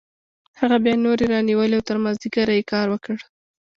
هغه بیا نورې رانیولې او تر مازدیګره یې کار وکړ